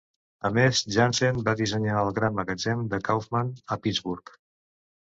A més, Janssen va dissenyar el gran magatzem de Kaufmann a Pittsburgh.